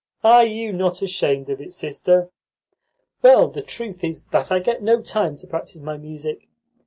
"Are you not ashamed of it, sister?" "Well, the truth is that I get no time to practice my music.